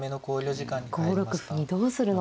５六歩にどうするのか。